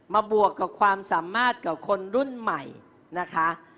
บวกกับความสามารถกับคนรุ่นใหม่นะคะ